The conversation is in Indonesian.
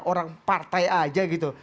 orang partai aja gitu